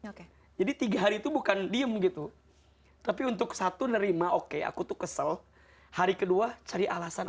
oke jadi tiga hari itu bukan diem gitu tapi untuk satu nerima oke aku tuh kesel hari kedua cari alasan